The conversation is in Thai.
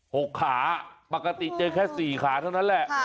หกขาปกติเจอแค่สี่ขาเท่านั้นแหละ